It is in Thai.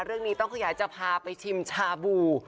เรื่องนี้ต้องขยายจะพาไปชิมชาบู